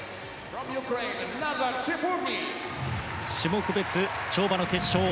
種目別、跳馬の決勝